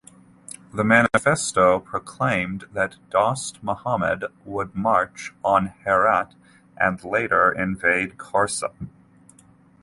The manifesto proclaimed that Dost Mohammad would march on Herat and later invade Khorasan.